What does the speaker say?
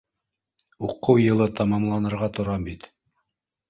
Уҡыу йылы тамамланырға тора бит.